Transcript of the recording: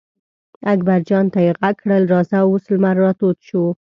اکبر جان ته یې غږ کړل: راځه اوس لمر را تود شو.